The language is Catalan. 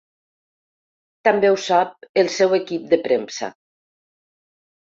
També ho sap el seu equip de premsa.